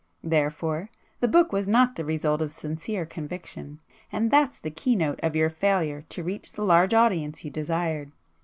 Therefore the book was not the result of sincere conviction, and that's the key note of your failure to reach the large audience you desired.